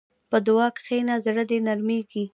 په دعا کښېنه، زړه دې نرمېږي.